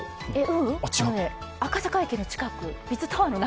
赤坂駅の近く、Ｂｉｚタワーの中。